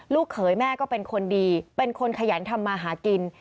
เขยแม่ก็เป็นคนดีเป็นคนขยันทำมาหากิน